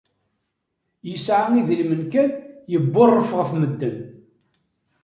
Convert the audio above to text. Yesɛa idrimen kan, yebburref ɣef medden